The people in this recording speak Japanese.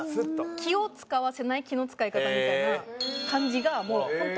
気を使わせない気の使い方みたいな感じがもう本当。